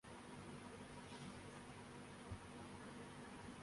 اگر اس کا نتیجہ سٹریٹجک ڈیپتھ